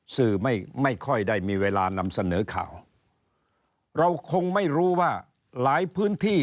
สื่อไม่ไม่ค่อยได้มีเวลานำเสนอข่าวเราคงไม่รู้ว่าหลายพื้นที่